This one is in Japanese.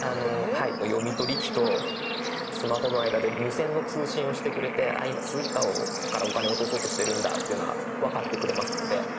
読み取り機とスマホの間で無線の通信をしてくれて今Ｓｕｉｃａからお金を落とそうとしてるんだっていうのは分かってくれますので。